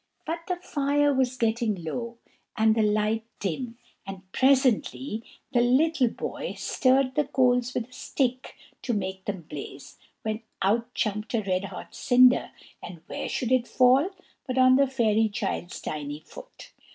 But the fire was getting low, and the light dim, and presently the little boy stirred the coals with a stick to make them blaze; when out jumped a red hot cinder, and where should it fall, but on the fairy child's tiny foot.